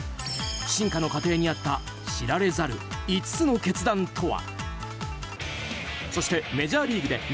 進化の過程にあった知られざる５つの決断とは。